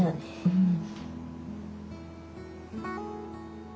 うん。